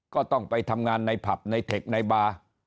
ก็ต้องไปทำงานในผับในเทคในบาร์